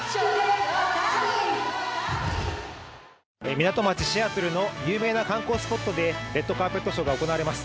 港町・シアトルの有名な観光スポットでレッドカーペットショーが行われます。